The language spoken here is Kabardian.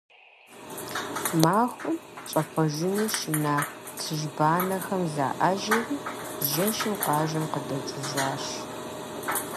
Махуэм щӀэпхъуэжыну шына цыжьбанэхэм заӀэжьэри, жэщым къуажэм къыдэкӀыжащ.